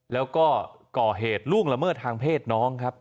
แล้วก็ก่อเหตุล่วงละเมิดทางเพศน้องครับ